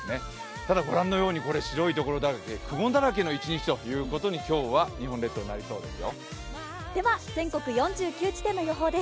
ただご覧のようにこれ、白い所だらけ、雲だらけの一日ということにな、今日は日本列島なりそうですよ。